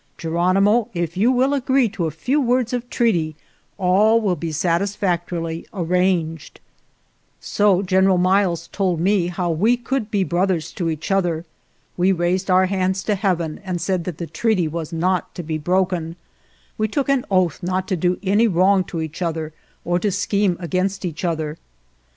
Geronimo, if you will agree to a few words of treaty all will be satisfactorily arranged." BSee page 136. 144 GOTEBO War Chief, Kiowa Indians THE FINAL STRUGGLE So General Miles told me how we could be brothers to each other. We raised our hands to heaven and said that the treaty was not to be broken. We took an oath not to do any wrong to each other or to scheme against each other.